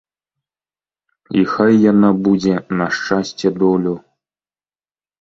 І хай яна будзе на шчасце-долю.